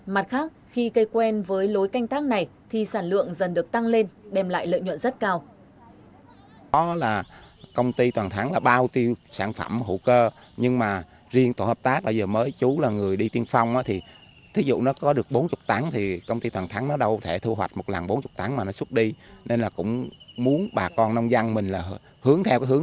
mặt khác khi cây quen với lối canh tác này thì sản lượng dần được tăng lên đem lại lợi nhuận rất cao